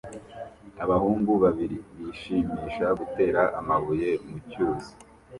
Abahungu babiri bishimisha gutera amabuye mu cyuzi